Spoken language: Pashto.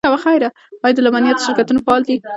آیا د لبنیاتو شرکتونه فعال دي؟